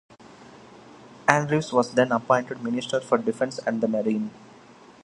Andrews was then appointed Minister for Defence and the Marine.